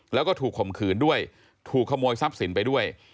แล้วก็ถูกข่มขืนด้วยถูกขโมยทรัพย์สินไปด้วย